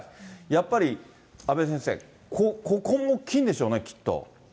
やっぱり阿部先生、ここも大きいんでしょうね、きっと。